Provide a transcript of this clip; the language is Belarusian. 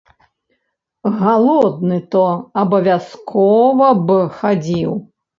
Галодны то абавязкова б хадзіў.